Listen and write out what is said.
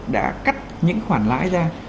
đã cắt những khoản lãi ra